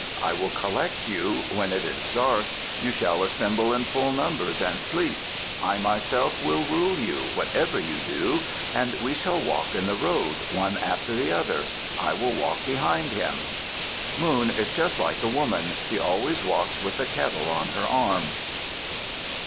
I will collect you; when it is dark, you shall assemble in full numbers, and sleep. I myself will rule you, whatever you do. And we shall walk in the road, one after the other. I will walk behind him." Moon is just like a woman. She always walks with a kettle on her arm.